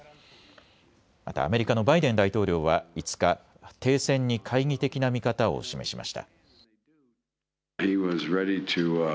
またアメリカのバイデン大統領は５日、停戦に懐疑的な見方を示しました。